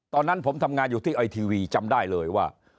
ตอนนั้นผมทำงานอยู่ที่ไอทีวีจำได้เลยว่า